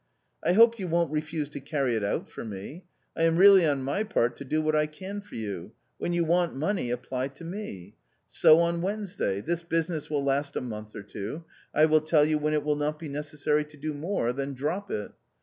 I hope you won't refuse to carry it out for me. I am ready on my part to do what I can for you ; when you want money, apply to me. So on Wednesday ! This business will last a month or two. I will tell you when it will not be necessary to do more, then drop it.